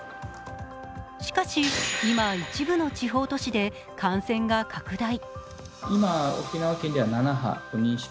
しかし、今、一部の地方都市で感染が拡大。